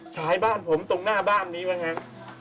ฉายบ้านผมตรงหน้าบ้านนี้แม่งครับ